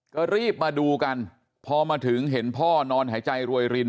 ก็รีบมาดูกันพอมาถึงเห็นพ่อนอนหายใจรวยริน